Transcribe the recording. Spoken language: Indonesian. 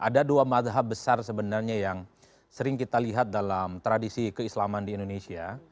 ada dua madhab besar sebenarnya yang sering kita lihat dalam tradisi keislaman di indonesia